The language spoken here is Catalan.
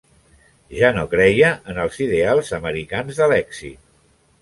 Ja no creia en els ideals americans de l'èxit.